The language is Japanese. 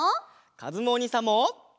かずむおにいさんも！